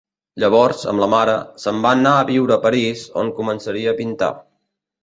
Llavors, amb la mare, se'n van a viure a París, on començaria a pintar.